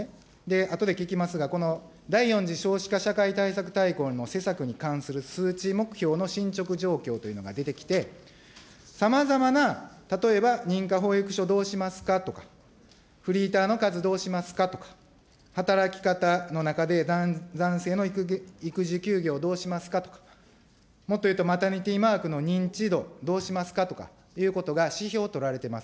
あとで聞きますが、この第４次少子化社会対策大綱の施策に関する数値目標の進捗状況というのが出てきて、さまざまな、例えば認可保育所どうしますかとか、フリーターの数どうしますかとか、働き方の中で、男性の育児休業どうしますかとか、もっと言うとマタニティーマークの認知度、どうしますかとかということが指標取られてます。